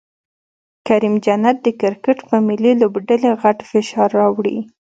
کریم جنت د کرکټ په ملي لوبډلې غټ فشار راوړي